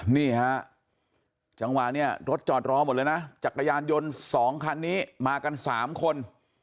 นี่ฮะจังหวะเนี่ยรถจอดรอหมดเลยนะจักรยานยนต์๒คันนี้มากัน๓คน